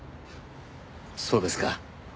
そうですか。